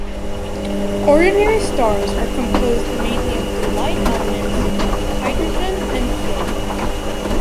Ordinary stars are composed mainly of the light elements hydrogen and helium.